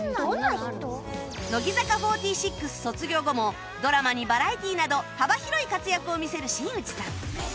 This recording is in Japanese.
乃木坂４６卒業後もドラマにバラエティーなど幅広い活躍を見せる新内さん